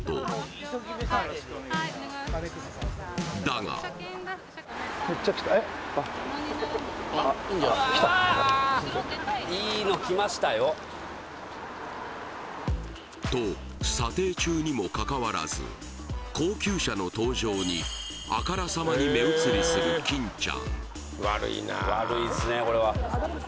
はいはいお願いしますだがと査定中にもかかわらず高級車の登場にあからさまに目移りする金ちゃん